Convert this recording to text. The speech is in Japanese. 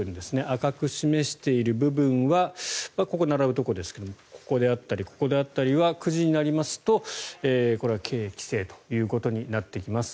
赤く示している部分はここに並ぶところですがここであったりここであったりは９時になりますと規制ということになってきます。